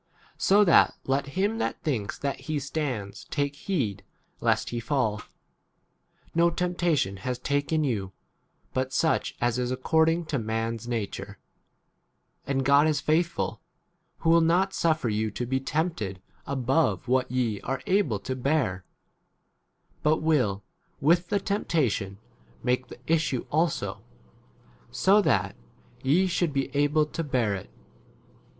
So that let him that thinks that he 13 stands take heed lest he fall. No temptation has taken you but such as is according to man's nature ; and God is faithful, who will not suffer you to be tempt ed above what ye are able [to bear], but will with the tempta tion make the issue also, so that [ye] f should be able to bear [it.